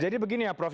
jadi begini ya prof